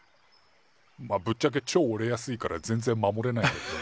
まあぶっちゃけちょ折れやすいから全然守れないんだけどね。